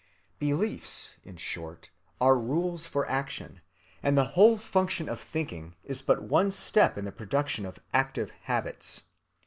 Beliefs, in short, are rules for action; and the whole function of thinking is but one step in the production of active habits.